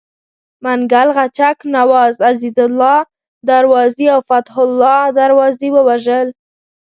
منګل غچک نواز، عزیزالله دروازي او فتح الله دروازي ووژل.